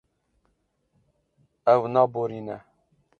Ew naborîne.